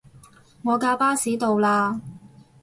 我架巴士到喇